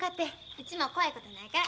うちも怖いことないから。